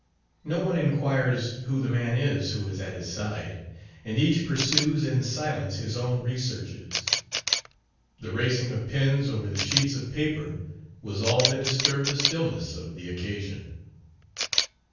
No one inquires who the man is who is at his side, and each pursues in silence his own researches. The racing of pens over the sheets of paper was all that disturbed the stillness of the occasion.